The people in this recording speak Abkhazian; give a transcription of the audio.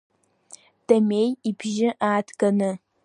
Дамеи ибжьы ааҭганы.